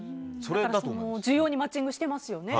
需要にマッチングしていますね。